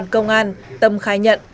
công an tâm khai nhận